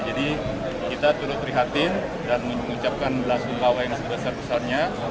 jadi kita turut prihatin dan mengucapkan belas kumpawa yang sebesar besarnya